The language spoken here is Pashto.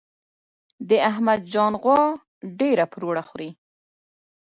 د احمد جان غوا ډیره پروړه خوري.